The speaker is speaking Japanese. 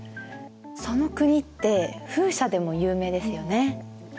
その国って風車でも有名ですよね。